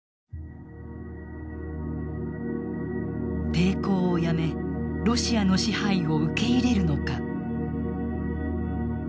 抵抗をやめロシアの支配を受け入れるのか。